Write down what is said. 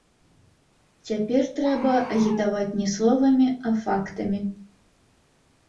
Цяпер трэба агітаваць не словамі, а фактамі.